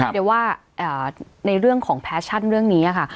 เดี๋ยวว่าในเรื่องของแฟชั่นเรื่องนี้ค่ะ